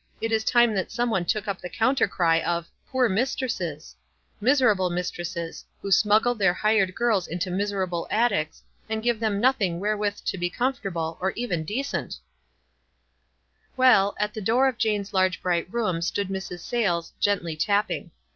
' it is time that some one took up the counter cry of c poor mistresses !' Miserable mistresses ! who smuggle their hired girls into miserable attics, and give them noth ing wherewith to be comfortable, or even de cent." 152 WISE AND OTHERWISE. Well, at the door of Jane's large bright room stood Mrs. Sayles, gently tapping.